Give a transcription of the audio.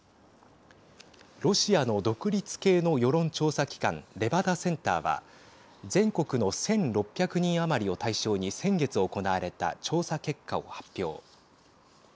ロシアの独立系の世論調査機関レバダセンターは全国の１６００人余りを対象に先月、行われた調査結果を発表。